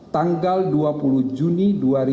tanggal dua puluh juni dua ribu empat belas